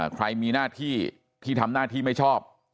ใครมีหน้าที่ที่ทำหน้าที่ไม่ชอบ